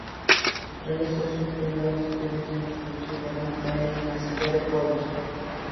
Realizó sus primeros estudios en su ciudad natal y en la ciudad de Puebla.